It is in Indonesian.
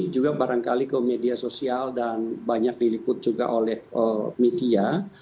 juga barangkali ke media sosial dan banyak diliput juga oleh media